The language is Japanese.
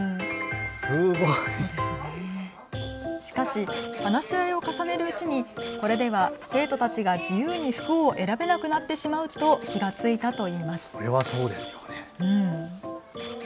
しかし話し合いを重ねるうちにこれでは生徒たちが自由に服を選べなくなってしまうと気が付いたといいます。